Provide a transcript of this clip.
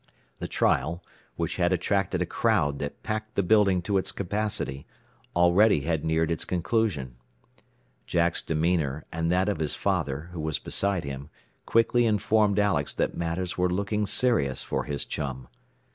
The trial, which had attracted a crowd that packed the building to its capacity, already had neared its conclusion. Jack's demeanor, and that of his father, who was beside him, quickly informed Alex that matters were looking serious for his chum.